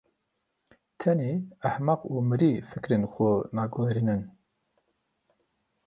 Tenê ehmeq û mirî fikirên xwe naguherînin.